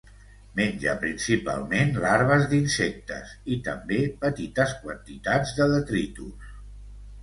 Menja principalment larves d'insectes i, també petites quantitats de detritus.